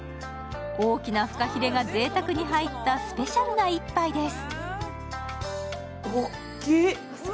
大きなフカヒレがぜいたくに入ったぜいたくな一杯です。